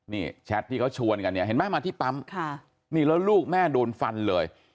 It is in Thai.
นี่แชทที่เขาชวนกันเนี่ยเห็นไหมมาที่ปั๊มค่ะนี่แล้วลูกแม่โดนฟันเลย